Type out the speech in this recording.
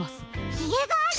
ひげがある。